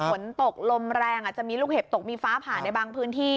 ฝนตกลมแรงอาจจะมีลูกเห็บตกมีฟ้าผ่าในบางพื้นที่